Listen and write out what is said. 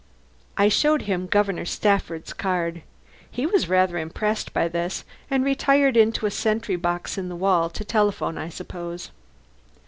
I showed him Governor Stafford's card. He was rather impressed by this, and retired into a sentry box in the wall to telephone, I suppose.